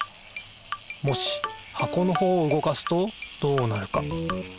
もし箱のほうを動かすとどうなるか？